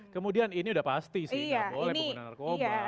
kemudian ini udah pasti sih nggak boleh pengguna narkoba